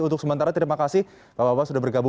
untuk sementara terima kasih bapak bapak sudah bergabung